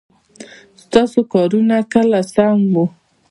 ستاسو کارونه کله سم وه ؟